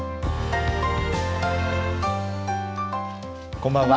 こんばんは。